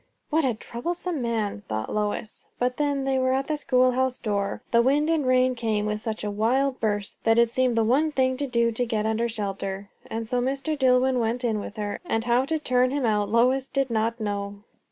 What a troublesome man! thought Lois; but then they were at the schoolhouse door, the wind and rain came with such a wild burst, that it seemed the one thing to do to get under shelter; and so Mr. Dillwyn went in with her, and how to turn him out Lois did not know.